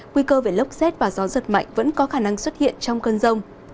nguy cơ về lốc xét và gió giật mạnh vẫn có khả năng xuất hiện trong cơn rông